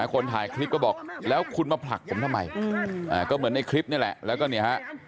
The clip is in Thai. คนถ่ายคลิปก็บอกแล้วคุณมาผลักผมทำไมก็เหมือนในคลิปนี่แหละแล้วก็เนี่ยฮะ